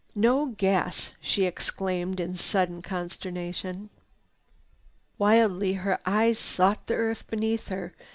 "No gas!" she exclaimed in sudden consternation. Wildly her eyes sought the earth beneath her.